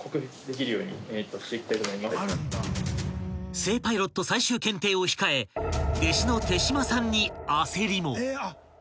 ［正パイロット最終検定を控え弟子の手島さんに］